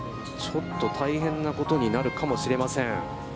ちょっと大変なことになるかもしれません。